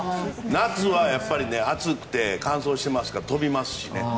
夏は暑くて乾燥してますから飛びますしね。